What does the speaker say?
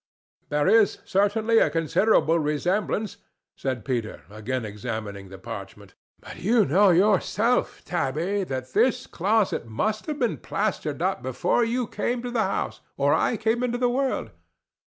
"There is certainly a considerable resemblance," said Peter, again examining the parchment. "But you know yourself, Tabby, that this closet must have been plastered up before you came to the house or I came into the world.